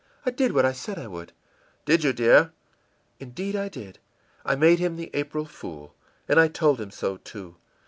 I did what I said I would.î ìDid you, dear?î ìIndeed, I did. I made him the April fool! And I told him so, too!